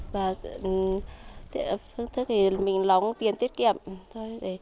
và thức thì mình lóng tiền tiết kiệm thôi